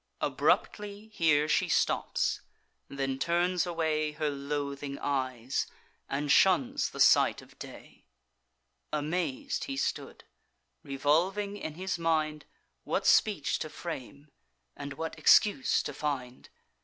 Abruptly here she stops; then turns away Her loathing eyes, and shuns the sight of day. Amaz'd he stood, revolving in his mind What speech to frame, and what excuse to find.